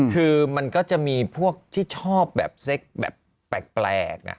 คือมันก็จะมีพวกที่ชอบแบบเซ็กแบบแปลก